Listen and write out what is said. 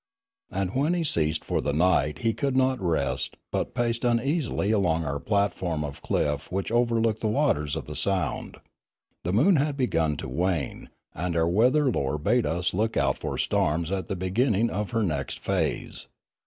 And when he ceased for the night he could not rest but paced uneasily along our platform of cliff which overlooked the waters of the sound. The moon had begun to wane, and our weather lore bade us look out for storms at the beginning of her next phase.